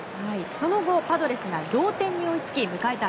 その後パドレスが同点に追いつき迎えた